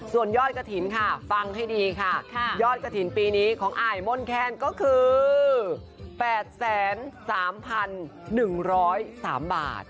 ส่วนยอดกระถิ่นค่ะฟังให้ดีค่ะยอดกระถิ่นปีนี้ของอายมนแคนก็คือ๘๓๑๐๓บาท